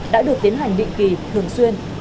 đã được tiến hành định kỳ thường xuyên